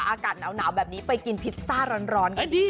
อากาศหนาวแบบนี้ไปกินพิซซ่าร้อนกันดี